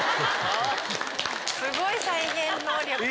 すごい再現能力！